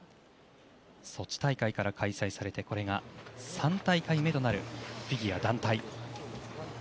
ソチ大会から開催されてこれが３大会目となるフィギュア団体。